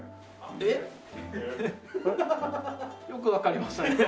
えっ？よくわかりましたね。